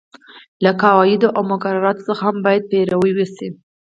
له قواعدو او مقرراتو څخه هم باید پیروي وشي.